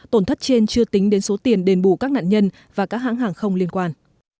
tổn thất trên chưa tính đến số tiền đền bù các nạn nhân và các hãng hàng không liên quan